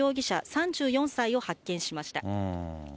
３４歳を発見しました。